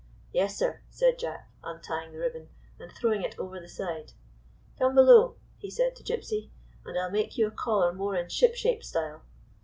" Yes, sir," said Jack, untying the ribbon and throwing it over the side. "Come below," he said to Gypsy, " and I 'll make you a collar more in shipshape style."